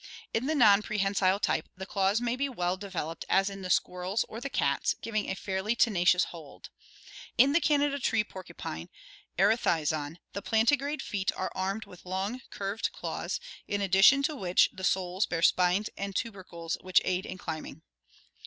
In the non prehensile type the claws may be well de veloped as in the squirrels or the cats, giving a fairly tenacious hold. In the Canada tree porcupine (Erclhizon) the plantigrade feet are armed with long curved claws, in addition to which the soles bear spines and tubercles which aid in climbing.